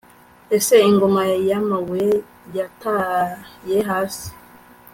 ese ingoma yamabuye yataye hasi